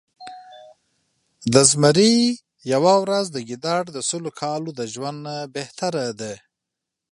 د زمري يؤه ورځ د ګیدړ د سلو کالو د ژؤند نه بهتره ده